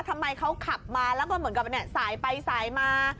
ทำไมเขาขับมาแล้วก็เหมือนกับสายไปสายมา